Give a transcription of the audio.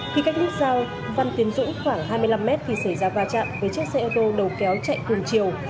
khi cách nút giao văn tiến dũng khoảng hai mươi năm mét thì xảy ra va chạm với chiếc xe ô tô đầu kéo chạy cùng chiều